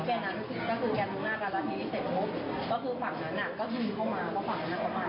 แก่นั้นก็คือการมองหน้ากันแล้วทีนี้เสร็จปุ๊บก็คือฝั่งนั้นอ่ะก็ยืนเข้ามา